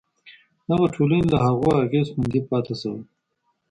دغه ټولنې له هغو اغېزو خوندي پاتې شوې.